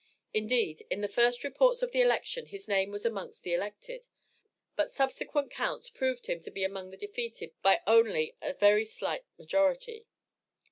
Indeed in the first reports of the election his name was amongst the elected; but subsequent counts proved him to be among the defeated by only a very slight majority.